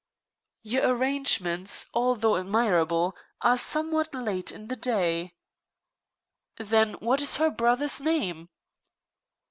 "Your arrangements, though admirable, are somewhat late in the day." "Then what is her brother's name?"